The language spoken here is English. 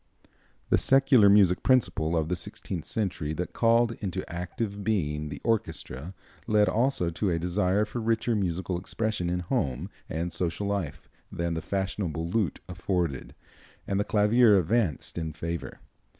The secular music principle of the sixteenth century that called into active being the orchestra led also to a desire for richer musical expression in home and social life than the fashionable lute afforded, and the clavier advanced in favor.